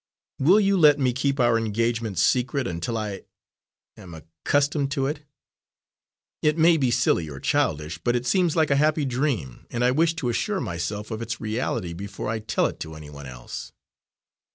Will you let me keep our engagement secret until I am accustomed to it? It may be silly or childish, but it seems like a happy dream, and I wish to assure myself of its reality before I tell it to anyone else."